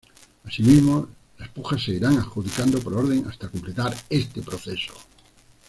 Asimismo, las pujas se irán adjudicando por orden hasta completar este proceso.